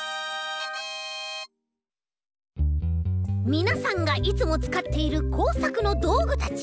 みなさんがいつもつかっているこうさくのどうぐたち。